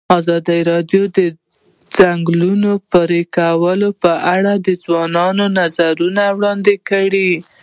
ازادي راډیو د د ځنګلونو پرېکول په اړه د ځوانانو نظریات وړاندې کړي.